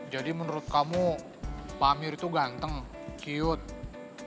jadi menurut kamu pak amir itu ganteng cute